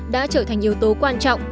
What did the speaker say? đã trở thành yếu tố quan trọng